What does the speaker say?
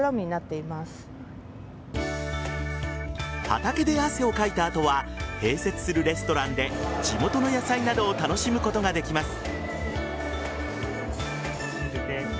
畑で汗をかいた後は併設するレストランで地元の野菜などを楽しむことができます。